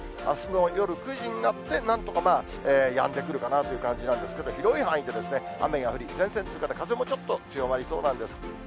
あすの夜９時になって、なんとかやんでくるかなという感じなんですけれども、広い範囲で雨が降り、前線通過で、風もちょっと強まりそうなんです。